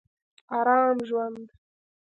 ارام ژوند